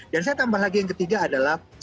dan saya tambah lagi yang ketiga adalah